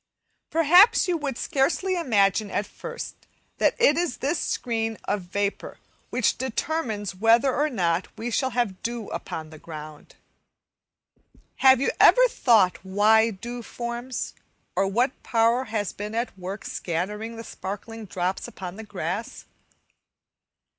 Perhaps you would scarcely imagine at first that it is this screen of vapour which determines whether or not we shall have dew upon the ground. Have you ever thought why dew forms, or what power has been at work scattering the sparkling drops upon the grass?